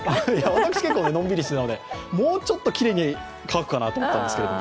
私、結構のんびりしていたので、もうちょっときれいに乾くかなと思ったんですけど。